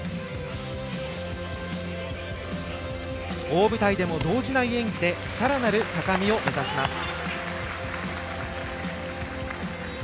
大舞台でも動じない演技でさらなる高みを目指します。